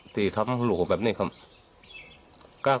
ที่ทำลูกแบบนี้ครับ